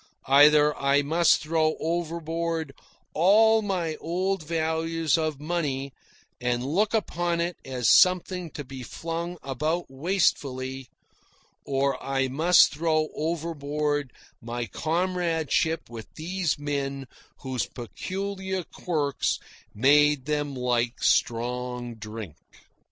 Either I must throw overboard all my old values of money and look upon it as something to be flung about wastefully, or I must throw overboard my comradeship with these men whose peculiar quirks made them like strong drink.